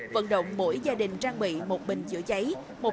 vận động mỗi gia đình trang bị một bình chữa cháy